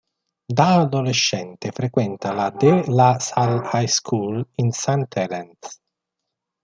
Da adolescente frequenta la 'De La Salle High School' in St Helens.